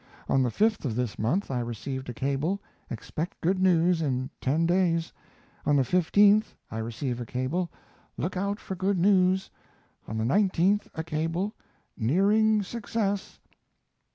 On the 5th of this month I received a cable, "Expect good news in ten days." On the 15th I receive a cable, "Look out for good news." On the 19th a cable, "Nearing success."